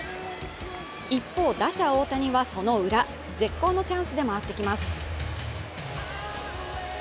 一方、打者・大谷はそのウラ絶好のチャンスで回ってきます。